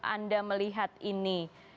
anda melihat ini